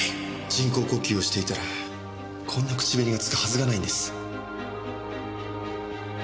人工呼吸をしていたらこんな口紅が付くはずがないんです。